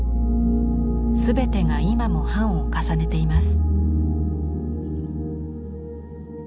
全てが今も版を重ねています。